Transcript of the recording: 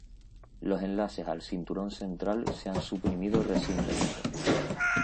Los enlaces al cinturón central se han suprimido recientemente.